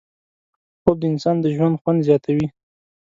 خوب د انسان د ژوند خوند زیاتوي